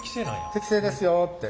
適正ですよって。